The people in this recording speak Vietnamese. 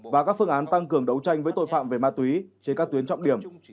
và các phương án tăng cường đấu tranh với tội phạm về ma túy trên các tuyến trọng điểm